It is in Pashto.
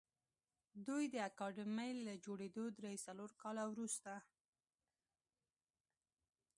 دوی د اکاډمۍ له جوړېدو درې څلور کاله وروسته